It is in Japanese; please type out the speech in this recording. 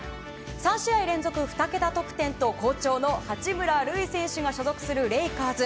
３試合連続２桁得点と、好調の八村塁選手が所属するレイカーズ。